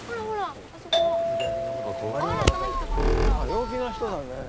陽気な人だね。